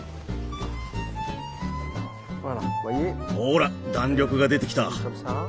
ほら弾力が出てきた。